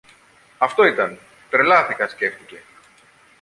Αυτό ήταν, τρελάθηκα, σκέφτηκε